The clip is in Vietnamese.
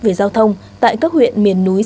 về giao thông tại các huyện miền núi